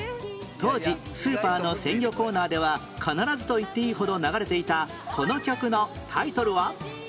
当時スーパーの鮮魚コーナーでは必ずといっていいほど流れていたこの曲のタイトルは？